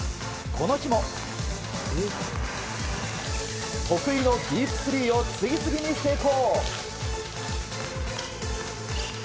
この日も得意のディープスリーを次々に成功。